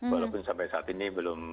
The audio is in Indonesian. walaupun sampai saat ini belum